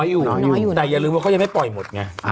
อยู่แต่อย่าลืมว่าเขายังไม่ปล่อยหมดไง